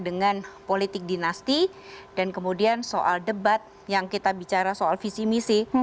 dengan politik dinasti dan kemudian soal debat yang kita bicara soal visi misi